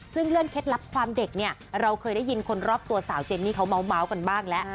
ซึ่งเรื่องเคล็ดลับความเด็กเนี่ยเราเคยได้ยินคนรอบตัวสาวเจนนี่เขาเมาส์กันบ้างแล้ว